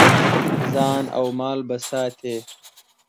ځان او مال به ساتې.